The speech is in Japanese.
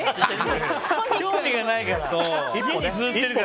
興味がないから。